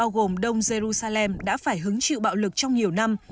trong jerusalem đã phải hứng chịu bạo lực trong nhiều năm